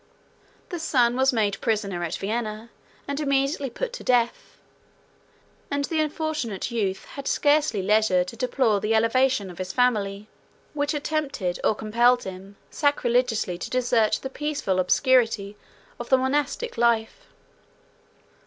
The son was made prisoner at Vienna, and immediately put to death: and the unfortunate youth had scarcely leisure to deplore the elevation of his family; which had tempted, or compelled him, sacrilegiously to desert the peaceful obscurity of the monastic life.